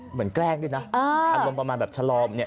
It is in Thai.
เหมือนแกล้งด้วยนะเอออันลมประมาณแบบชะลอเนี้ย